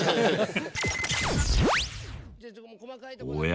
おや？